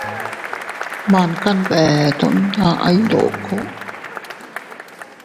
Man kanbeeto aʼay ndoko.